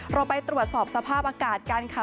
เราไปตรวจสอบสภาพอากาศกันค่ะ